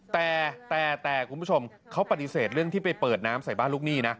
แต่แต่คุณผู้ชมเขาปฏิเสธเรื่องที่ไปเปิดน้ำใส่บ้านลูกหนี้นะ